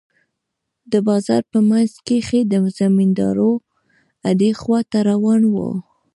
د بازار په منځ کښې د زمينداورو اډې خوا ته روان وم.